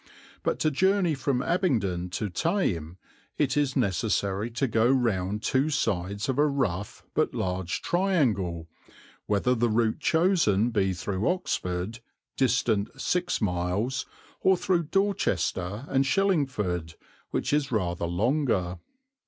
But to journey from Abingdon to Thame it is necessary to go round two sides of a rough but large triangle, whether the route chosen be through Oxford, distant six miles, or through Dorchester and Shillingford, which is rather longer.